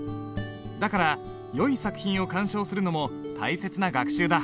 だからよい作品を鑑賞するのも大切な学習だ。